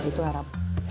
itu harapan kita